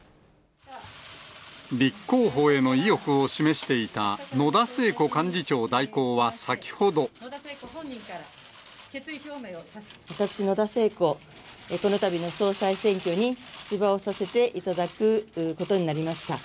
立候補への意欲を示していた私、野田聖子、このたびの総裁選挙に出馬をさせていただくことになりました。